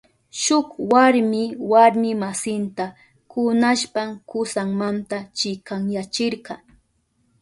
Shuk warmi warmi masinta kunashpan kusanmanta chikanyachirka.